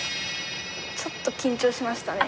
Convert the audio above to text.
ちょっと緊張しましたね。